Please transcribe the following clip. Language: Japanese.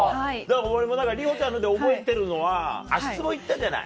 俺里帆ちゃんので覚えてるのは足ツボ行ったじゃない。